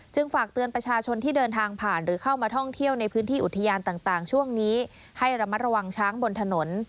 ฝากเตือนประชาชนที่เดินทางผ่านหรือเข้ามาท่องเที่ยวในพื้นที่อุทยานต่างช่วงนี้ให้ระมัดระวังช้างบนถนน